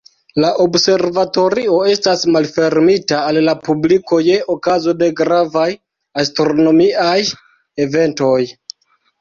La observatorio estas malfermita al la publiko je okazo de gravaj astronomiaj eventoj.